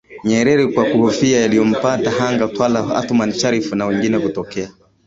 Nyerere kwa kuhofia yaliyompata Hanga Twala Othman Sharrif na wengine kutokea